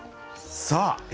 さあ